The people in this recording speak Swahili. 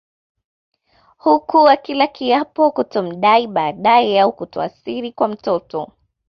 Huku akila kiapo kutomdai baadae au kutoa siri kwa mtoto